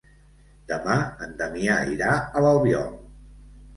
Demà en Damià irà a l'Albiol.